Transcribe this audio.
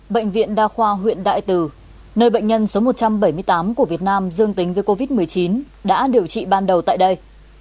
bệnh viện đa khoa huyện đại từ nơi bệnh nhân số một trăm bảy mươi tám của việt nam dương tính với covid một mươi chín đã điều trị ban đầu tại đây